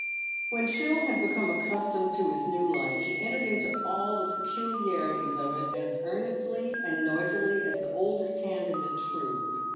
When Phil had become accustomed to his new life, he entered into all the peculiarities of it as earnestly and noisily as the oldest hand in the troop.